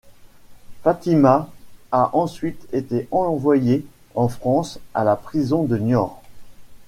Fatima a ensuite été envoyée en France à la prison de Niort.